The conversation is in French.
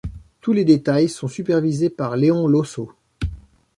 Tous les détails sont supervisés par Léon Losseau.